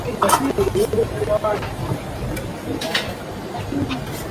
Mnyama kukondeana na kukosa nguvu